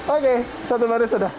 oke satu baris sudah